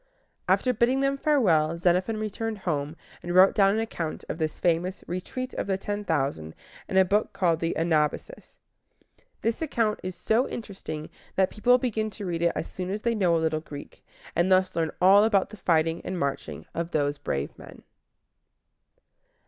After bidding them farewell, Xenophon returned home, and wrote down an account of this famous Retreat of the Ten Thousand in a book called the A nab´a sis. This account is so interesting that people begin to read it as soon as they know a little Greek, and thus learn all about the fighting and marching of those brave men.